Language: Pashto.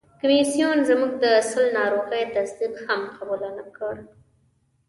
کمیسیون زموږ د سِل ناروغي تصدیق هم قبول نه کړ.